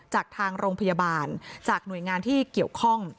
จากทางโรงพยาบาลจากหน่วยงานที่เกี่ยวข้อง